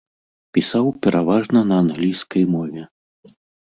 Пісаў пераважна на англійскай мове.